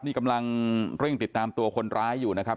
นี่กำลังเร่งติดตามตัวคนร้ายอยู่นะครับ